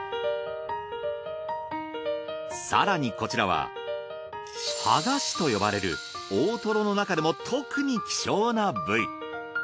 更にこちらははがしと呼ばれる大トロのなかでも特に希少な部位。